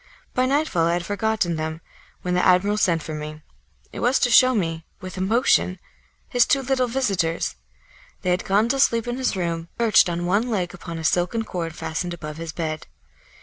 By nightfall I had forgotten them, when the admiral sent for me. It was to show me, with emotion, his two little visitors; they had gone to sleep in his room, perched on one leg upon a silken cord fastened above his bed.